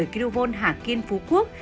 một trăm một mươi kv hạ kiên phú quốc